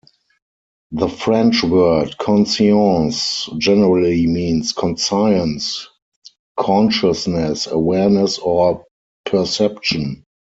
The French word "conscience" generally means "conscience", "consciousness", "awareness", or "perception".